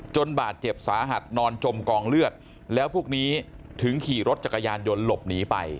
บาดเจ็บสาหัสนอนจมกองเลือดแล้วพวกนี้ถึงขี่รถจักรยานยนต์หลบหนีไป